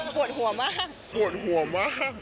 ปวดหัวมาก